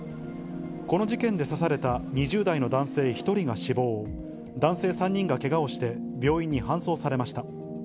この事件で刺された２０代の男性１人が死亡、男性３人がけがをして病院に搬送されました。